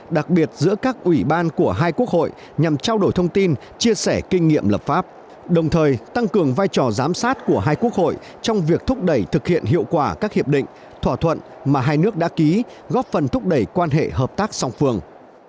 đặc biệt giữa các ủy ban của hai quốc hội nhằm trao đổi thông tin chia sẻ kinh nghiệm lập pháp đồng thời tăng cường vai trò giám sát của hai quốc hội trong việc thúc đẩy thực hiện hiệu quả các hiệp định thỏa thuận mà hai nước đã ký góp phần thúc đẩy quan hệ hợp tác song phương